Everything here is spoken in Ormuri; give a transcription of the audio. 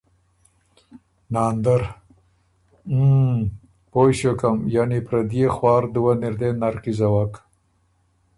ناندر: اُوون۔۔۔ پویٛ ݭیوکم یعنی پرديې خوار دُوه نِر دې نر کی زوَک،